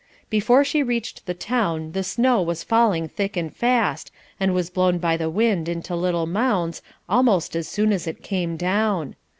Before she reached the town the snow was falling thick and fast, and was blown by the wind into little mounds almost as soon as it came down.